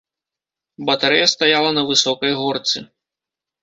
Батарэя стаяла на высокай горцы.